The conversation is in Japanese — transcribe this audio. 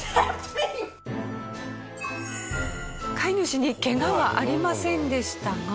飼い主にケガはありませんでしたが。